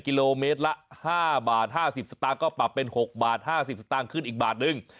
กิโลเมตรละ๕บาท๕๐สตางค์ก็ปรับเป็น๖บาท๕๐สตางค์ขึ้นอีกบาทนึง